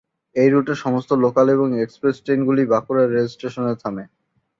এই রুটের সমস্ত লোকাল এবং এক্সপ্রেস ট্রেনগুলি বাঁকুড়া রেলস্টেশনে থামে।